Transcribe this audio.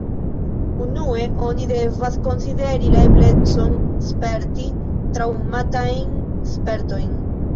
Unue oni devas konsideri la eblecon sperti traŭmatajn spertojn.